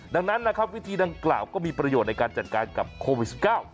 ดังนั้นนะครับวิธีดังกล่าวก็มีประโยชน์ในการจัดการกับโควิด๑๙